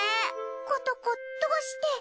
ことこどうして？